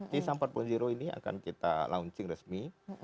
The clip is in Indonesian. t sam empat ini akan kita launching resmi